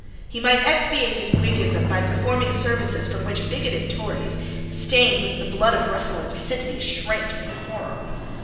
He might expiate his Whiggism by performing services from which bigoted Tories, stained with the blood of Russell and Sidney, shrank in horror.